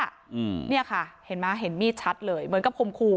อืมเนี่ยค่ะเห็นไหมเห็นมีดชัดเลยเหมือนกับคมคู่